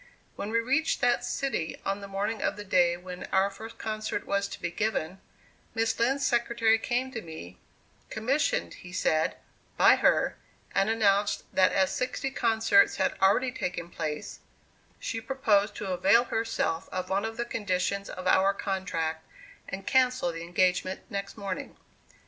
When we reached that city, on the morning of the day when our first concert was to be given, Miss Lind's secretary came to me, commissioned, he said, by her, and announced that as sixty concerts had already taken place, she proposed to avail herself of one of the conditions of our contract, and cancel the engagement next morning.